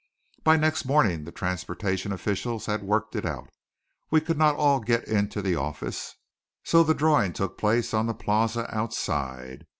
By next morning the transportation officials had worked it out. We could not all get into the office, so the drawing took place on the Plaza outside.